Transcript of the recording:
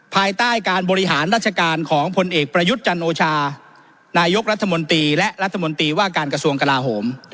ภายใต้การบริหารราชการของผลเอกประยุทธ์จันโอชานายกรัฐมนตรีและรัฐมนตรีว่าการกระทรวงกลาโหม